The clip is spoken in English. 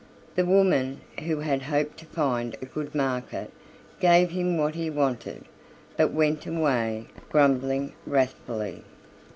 The woman, who had hoped to find a good market, gave him what he wanted, but went away grumbling wrathfully.